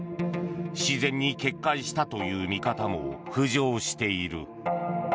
自然に決壊したという見方も浮上している。